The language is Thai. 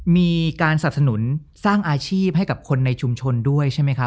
มีการสับสนุนสร้างอาชีพให้กับคนในชุมชนด้วยใช่ไหมครับ